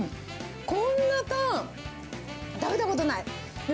こんなタン、食べたことない！